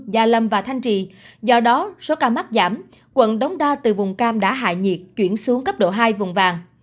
gia lâm và thanh trì do đó số ca mắc giảm quận đống đa từ vùng cam đã hại nhiệt chuyển xuống cấp độ hai vùng vàng